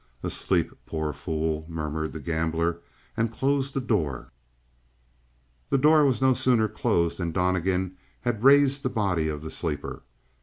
"Asleep, poor fool," murmured the gambler, and closed the door. The door was no sooner closed than Donnegan had raised the body of the sleeper.